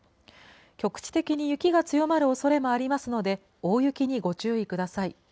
局地的に雪が強まるおそれもありますので、大雪にご注意ください。